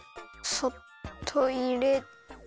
そっといれて。